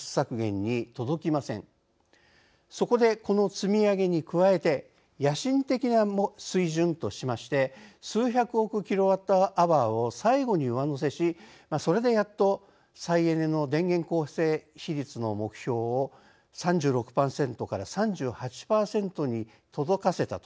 そこでこの積み上げに加えて「野心的な水準」としまして数百億ｋＷｈを最後に上乗せしそれでやっと再エネの電源構成比率の目標を３６％３８％に届かせたとこんな経緯がありました。